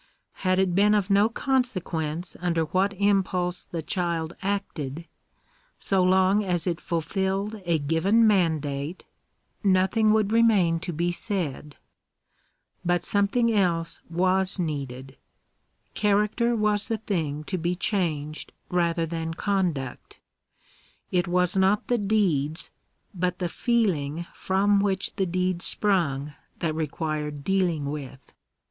Had it been of no conse quence under what impulse the child acted, so long as it ful* filled a given mandate, nothing would remain to be said. But Digitized by VjOOQIC 182 THE RIGHTS OF CHILDREN. something else was needed. Character was the thing to be changed rather than conduct. It was not the deeds, bat the feeling from which the deeds sprung that required dealing with.